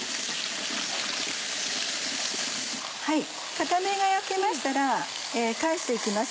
片面が焼けましたら返して行きます。